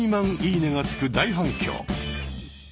「いいね」がつく大反響。